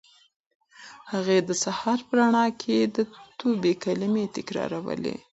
هغې د سهار په رڼا کې د توبې کلمې تکرارولې.